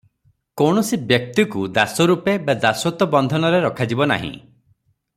କୌଣସି ବ୍ୟକ୍ତିକୁ ଦାସ ରୂପେ ବା ଦାସତ୍ତ୍ୱ ବନ୍ଧନରେ ରଖାଯିବ ନାହିଁ ।